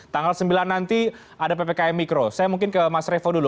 tanggal sembilan nanti ada ppkm mikro saya mungkin ke mas revo dulu